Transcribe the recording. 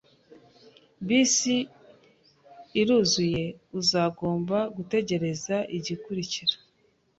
Bisi iruzuye. Uzagomba gutegereza igikurikira.